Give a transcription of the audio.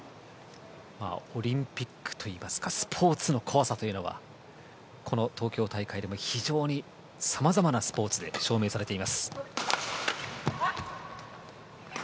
オリンピックといいますかスポーツの怖さというのがこの東京大会でも非常に、さまざまなスポーツで証明されています。